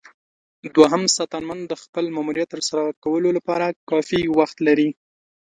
دوهم ساتنمن د خپل ماموریت ترسره کولو لپاره کافي وخت لري.